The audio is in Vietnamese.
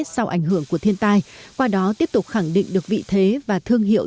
sau ảnh hưởng của thiên tai qua đó tiếp tục khẳng định được vị thế và thương hiệu